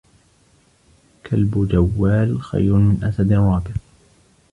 كلب جَوَّالٌ خير من أسد رابض